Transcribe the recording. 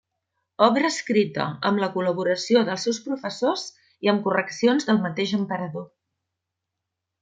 Obra escrita amb la col·laboració dels seus professors i amb correccions del mateix emperador.